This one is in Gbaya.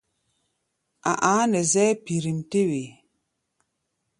A̧ a̧á̧ nɛ zɛ́ɛ́ pirím-tɛ́-wee.